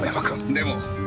でも！